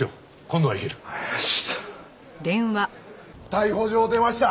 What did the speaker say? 逮捕状出ました！